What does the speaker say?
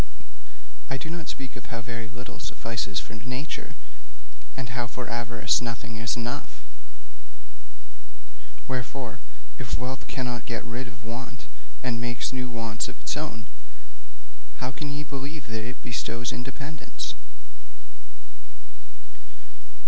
I do not speak of how very little suffices for nature, and how for avarice nothing is enough. Wherefore, if wealth cannot get rid of want, and makes new wants of its own, how can ye believe that it bestows independence?' SONG III. THE INSATIABLENESS OF AVARICE.